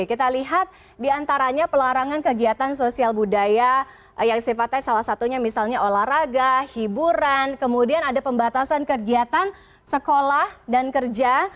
kita lihat diantaranya pelarangan kegiatan sosial budaya yang sifatnya salah satunya misalnya olahraga hiburan kemudian ada pembatasan kegiatan sekolah dan kerja